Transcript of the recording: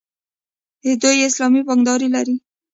دوی اسلامي بانکداري لري.